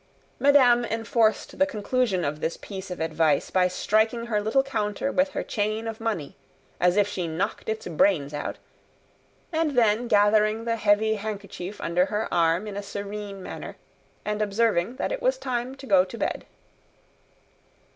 Madame enforced the conclusion of this piece of advice by striking her little counter with her chain of money as if she knocked its brains out, and then gathering the heavy handkerchief under her arm in a serene manner, and observing that it was time to go to bed.